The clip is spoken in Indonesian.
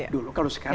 dulu kalau sekarang